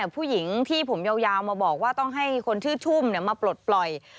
ผู้หญิงที่ผมยาวมาบอกว่าต้องให้คนชื่อชุ่มมาปลดปล่อย